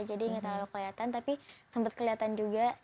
jadi gak terlalu keliatan tapi sempat keliatan juga